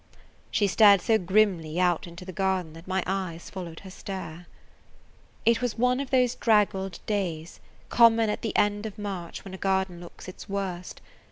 She stared so grimly out into the garden that my eyes followed her stare. It was one of those draggled days, common at the end of March when a garden looks at its worst.